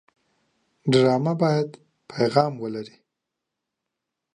ډرامه باید پیغام ولري